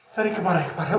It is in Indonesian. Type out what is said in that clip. dari kemarin kemarin